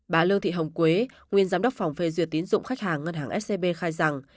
bà lê thị hồng quế nguyên giám đốc phòng phê duyệt tín dụng khách hàng ngân hàng scb khai rằng